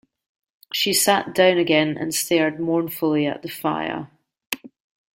She sat down again, and stared mournfully at the fire.